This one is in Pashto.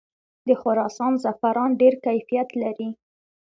د خراسان زعفران ډیر کیفیت لري.